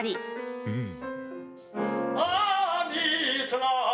うん。